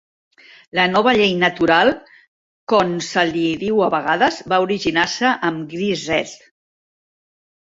La "Nova llei natural", con se li diu a vegades, va originar-se amb Grisez.